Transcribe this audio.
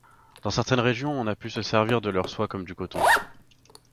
Dans certaines régions, on a pu se servir de leurs soies comme du coton.